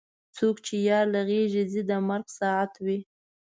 څوک چې یار له غېږې ځي د مرګ ساعت وي.